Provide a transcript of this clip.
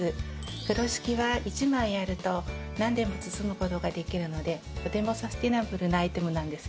風呂敷は一枚あると何でも包むことができるのでとてもサステナブルなアイテムなんですよ。